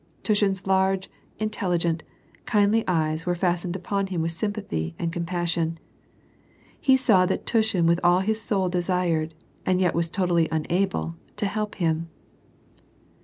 Tushin's large, intelligent, kindly eyes were fas tened upon him with sympathy and compassion. He saw that Tushin with all his soul desired, and yet was totally unable, to help him.